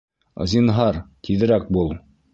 Зинһар, тиҙерәк бул.